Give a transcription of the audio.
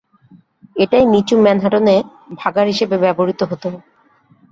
এটাই নিচু ম্যানহাটনে ভাগাড় হিসাবে ব্যবহৃত হতো।